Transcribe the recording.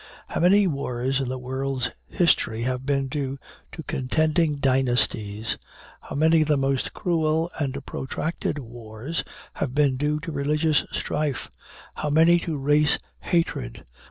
How many wars in the world's history have been due to contending dynasties; how many of the most cruel and protracted wars have been due to religious strife; how many to race hatred!